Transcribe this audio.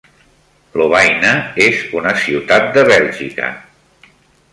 Lovaina és una ciutat de Bèlgica.